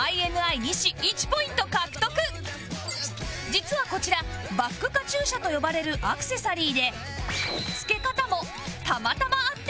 実はこちらバックカチューシャと呼ばれるアクセサリーで